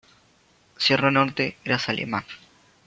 Sierra Norte, Grazalema.